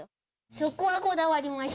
そこはこだわりました。